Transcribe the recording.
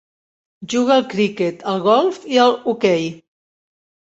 Juga al criquet, al golf i al hoquei.